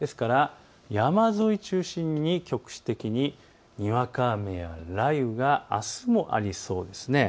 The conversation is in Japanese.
山沿い中心に局地的ににわか雨や雷雨があすもありそうです。